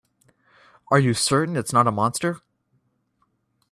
Are you certain it's not a monster?